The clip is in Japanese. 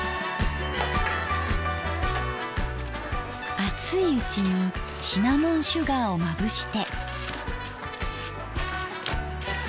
熱いうちにシナモンシュガーをまぶして。